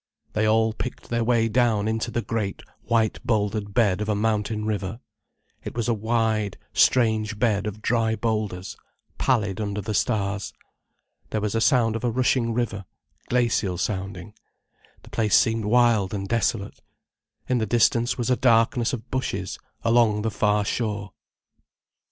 They all picked their way down into the great white bouldered bed of a mountain river. It was a wide, strange bed of dry boulders, pallid under the stars. There was a sound of a rushing river, glacial sounding. The place seemed wild and desolate. In the distance was a darkness of bushes, along the far shore.